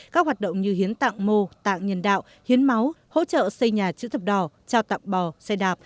các hoạt động như hiến tạng mô tạng nhân đạo hiến máu hỗ trợ xây nhà chữ thập đỏ trao tạng bò xe đạp